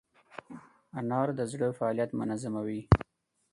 انار د زړه فعالیت منظموي.